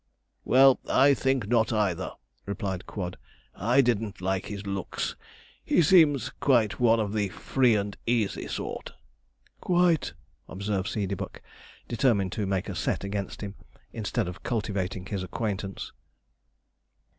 'Well, I think not either,' replied Quod; 'I didn't like his looks he seems quite one of the free and easy sort.' 'Quite,' observed Seedeybuck, determined to make a set against him, instead of cultivating his acquaintance.